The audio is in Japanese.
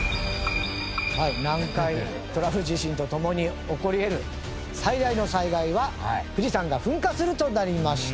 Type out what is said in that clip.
南海トラフ地震と共に起こり得る最大の災害は富士山が噴火するとなりました。